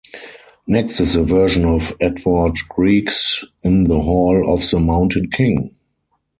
Next is a version of Edvard Grieg's In the Hall of the Mountain King.